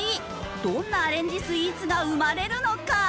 どんなアレンジスイーツが生まれるのか？